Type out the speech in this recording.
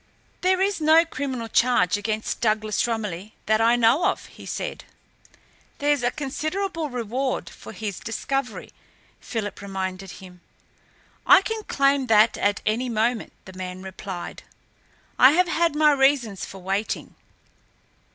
"There is no criminal charge against Douglas Romilly that I know of," he said. "There's a considerable reward offered for his discovery," Philip reminded him. "I can claim that at any moment," the man replied. "I have had my reasons for waiting.